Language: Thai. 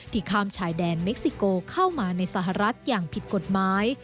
ข้ามชายแดนเม็กซิโกเข้ามาในสหรัฐอย่างผิดกฎหมาย